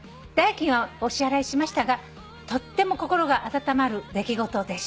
「代金はお支払いしましたがとっても心が温まる出来事でした」